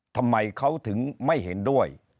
ทำไมเขาถึงไม่เห็นด้วย